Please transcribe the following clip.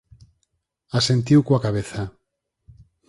Asentiu coa cabeza.